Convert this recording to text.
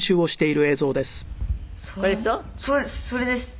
それです。